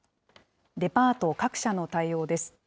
デパート各社の対応です。